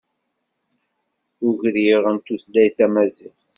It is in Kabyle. Ugriw n tutlayt tamaziɣt.